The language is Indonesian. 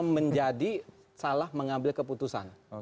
menjadi salah mengambil keputusan